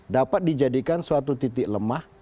dapat dijadikan suatu titik lemah